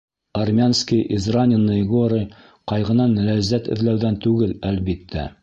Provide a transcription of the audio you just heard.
Армянские израненные горы, Ҡайғынан ләззәт эҙләүҙән түгел, әлбиттә.